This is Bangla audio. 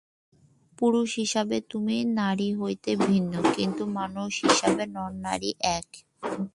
পুরুষ হিসাবে তুমি নারী হইতে ভিন্ন, কিন্তু মানুষ হিসাবে নর ও নারী এক।